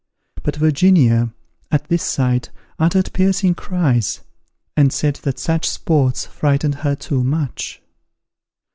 But Virginia, at this sight, uttered piercing cries, and said that such sports frightened her too much.